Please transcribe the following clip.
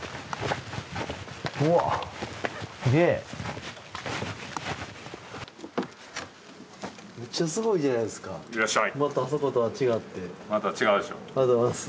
うわすげえめっちゃすごいじゃないですかいらっしゃいまたあそことは違ってまた違うでしょありがとうございます